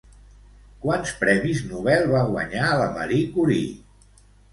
Quants Premis Nobel va guanyar la Marie Curie?